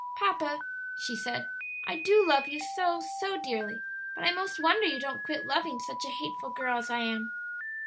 "Papa," she said, "I do love you so, so dearly; but I 'most wonder you don't quit loving such a hateful girl as I am."